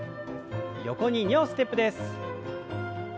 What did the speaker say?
横に２歩ステップです。